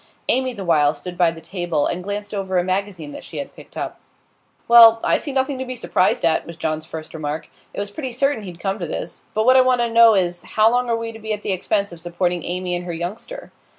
Amy, the while, stood by the table, and glanced over a magazine that she had picked up. 'Well, I see nothing to be surprised at,' was John's first remark. 'It was pretty certain he'd come to this. But what I want to know is, how long are we to be at the expense of supporting Amy and her youngster?